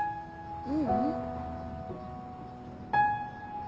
ううん。